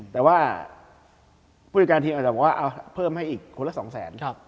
แต่ว่าผู้จัดการทีมอาจจะบอกว่าเอาเพิ่มให้อีกคนละ๒แสน